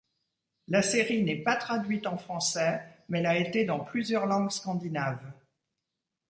La série n'est pas traduite en français mais l'a été dans plusieurs langues scandinaves.